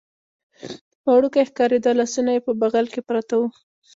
وړوکی ښکارېده، لاسونه یې په بغل کې پراته و.